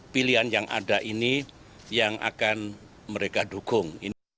pilihan yang ada ini yang akan mereka dukung